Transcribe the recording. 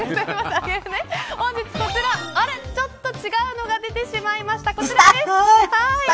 ちょっと違うのが出てしまいました。